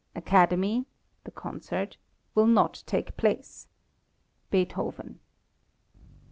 Academy (the concert) will not take place. BEETHOVEN.